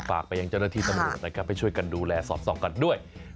ฝากไปยังเจ้าหน้าที่ตำรวจนะครับให้ช่วยกันดูแลสอดส่องกันด้วย